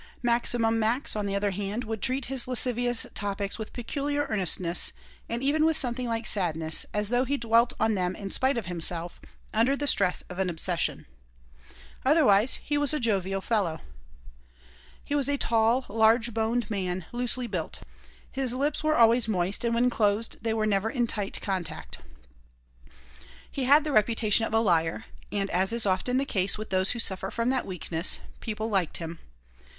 Maximum Max, on the other hand, would treat his lascivious topics with peculiar earnestness, and even with something like sadness, as though he dwelt on them in spite of himself, under the stress of an obsession Otherwise he was a jovial fellow He was a tall, large boned man, loosely built. His lips were always moist and when closed they were never in tight contact. He had the reputation of a liar, and, as is often the case with those who suffer from that weakness, people liked him.